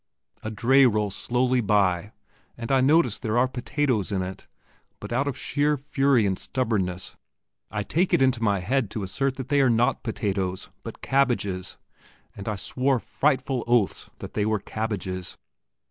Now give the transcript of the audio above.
A dray rolls slowly by, and I notice there are potatoes in it; but out of sheer fury and stubbornness, I take it into my head to assert that they are not potatoes, but cabbages, and I swore frightful oaths that they were cabbages.